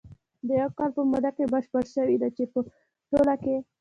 د یوه کال په موده کې بشپره شوې ده، چې په ټوله کې